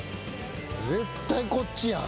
絶対こっちやん。